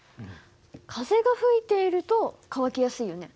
風が吹いていると乾きやすいよね。